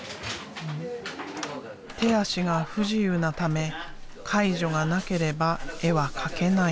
手足が不自由なため介助がなければ絵は描けない。